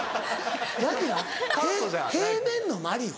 平面の『マリオ』？